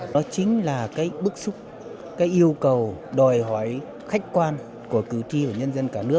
nó chính là cái bức xúc cái yêu cầu đòi hỏi khách quan của cử tri và nhân dân cảm